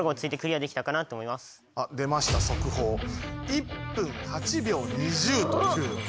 １分８秒２０という。